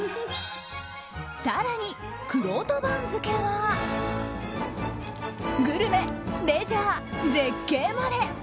更に、くろうと番付はグルメ、レジャー、絶景まで！